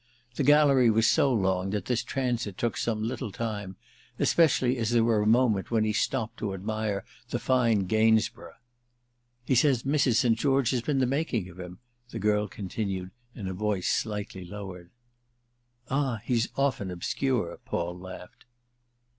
The gallery was so long that this transit took some little time, especially as there was a moment when he stopped to admire the fine Gainsborough. "He says Mrs. St. George has been the making of him," the girl continued in a voice slightly lowered. "Ah he's often obscure!" Paul laughed.